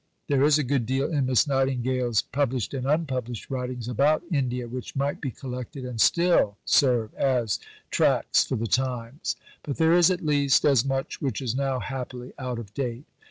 There is a good deal in Miss Nightingale's published and unpublished writings about India which might be collected and still serve as Tracts for the Times; but there is at least as much which is now happily out of date.